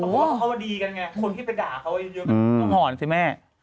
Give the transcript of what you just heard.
เขาว่าดีกันไงคนที่ไปด่าเขาเยอะเยอะอืมหอนสิแม่